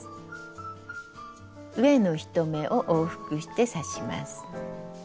上の１目を往復して刺します。